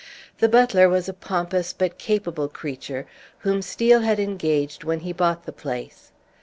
The butler was a pompous but capable creature, whom Steel had engaged when he bought the place.